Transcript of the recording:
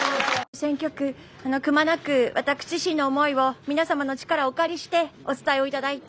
選挙区、くまなく私自身の思いを皆様の力をお借りしてお伝えいただいた。